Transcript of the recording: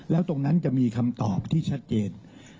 แล้วตรงนั้นจะมีคำตอบที่ชัดเจน